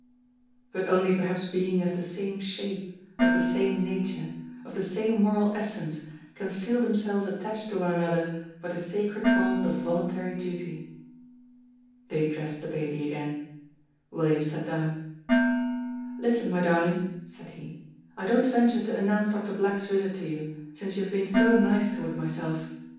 But only perhaps beings of the same shape, of the same nature, of the same moral essence can feel themselves attached to one another by the sacred bond of voluntary duty. They dressed the baby again. William sat down. "Listen, my darling," said he; "I don't venture to announce Doctor Black's visit to you, since you have been so nice toward myself.